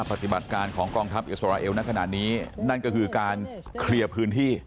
ปฏิบัติการของกองทัพอิสราเอลในขณะนี้นั่นก็คือการเคลียร์พื้นที่